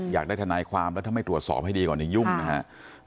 อยากได้ทนายความแล้วถ้าไม่ตรวจสอบให้ดีก่อนเนี่ยยุ่งนะครับ